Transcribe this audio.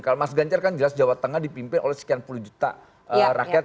kalau mas ganjar kan jelas jawa tengah dipimpin oleh sekian puluh juta rakyat